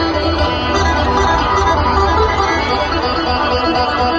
เราก็รักษาที่โลกกระวัง